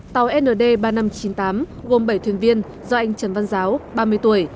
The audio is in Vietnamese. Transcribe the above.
tàu nd ba nghìn năm trăm chín mươi tám gồm bảy thuyền viên do anh trần văn giáo ba mươi tuổi